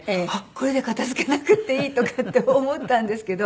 これで片付けなくていいとかって思ったんですけど